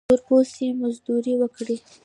تور پوستي مزدوري وکړي.